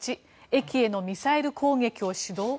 １駅へのミサイル攻撃を主導？